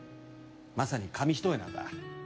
まさに紙一重なんだ。